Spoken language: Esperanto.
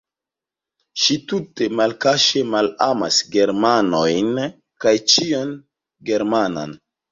Ŝi tute malkaŝe malamas germanojn kaj ĉion germanan.